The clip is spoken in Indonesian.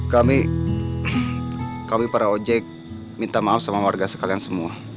kami kami para ojek minta maaf sama warga sekalian semua